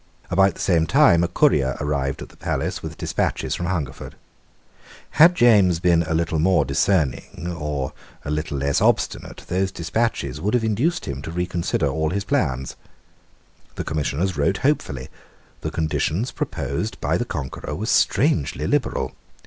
About the same time a courier arrived at the palace with despatches from Hungerford. Had James been a little more discerning, or a little less obstinate, those despatches would have induced him to reconsider all his plans. The Commissioners wrote hopefully. The conditions proposed by the conqueror were strangely liberal.